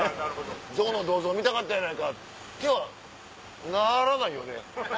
象の銅像見たかったやないかってはならないよね。